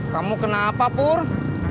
kamu kenapa purr